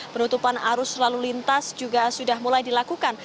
penutupan arus lalu lintas juga sudah mulai dilakukan